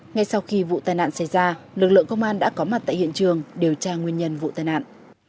ngay sau khi vụ tai nạn xảy ra lực lượng công an đã có mặt tại hiện trường điều tra nguyên nhân vụ tai nạn